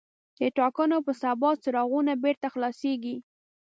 د ټاکنو په سبا څراغونه بېرته خلاصېږي.